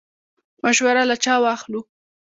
مشوره له چا واخلو؟